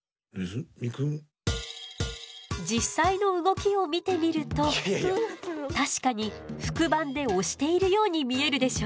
実際の動きを見てみると確かに腹板で押しているように見えるでしょ。